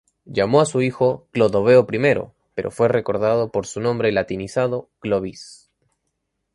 Llamó a su hijo Clodoveo I, pero fue recordado por su nombre latinizado, "Clovis".